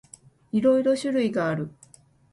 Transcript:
いろいろ種類がある。